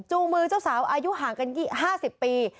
มือเจ้าสาวอายุห่างกัน๕๐ปี